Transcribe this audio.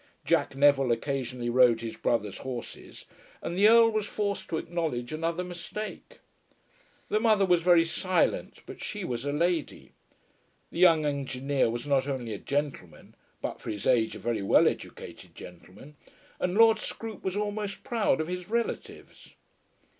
Jack Neville occasionally rode his brother's horses, and the Earl was forced to acknowledge another mistake. The mother was very silent, but she was a lady. The young Engineer was not only a gentleman, but for his age a very well educated gentleman, and Lord Scroope was almost proud of his relatives.